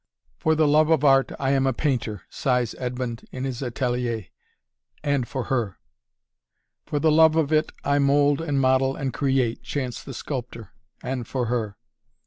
"For the love of art I am a painter," sighs Edmond, in his atelier "and for her!" "For the love of it I mold and model and create," chants the sculptor "and for her!"